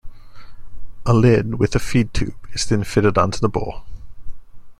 A lid with a "feed tube" is then fitted onto the bowl.